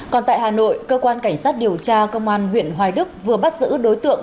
còn tại hà nội cơ quan cảnh sát điều tra công an huyện hoài đức vừa bắt giữ đối tượng